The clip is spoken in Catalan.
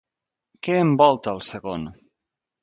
Què envolta el segon?